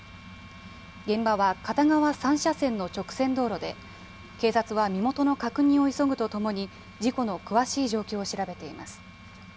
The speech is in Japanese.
現場は片側３車線の直線道路で、警察は身元の確認を急ぐとともに、事故の詳しい状況を調べています。